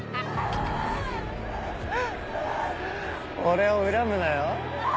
俺を恨むなよ。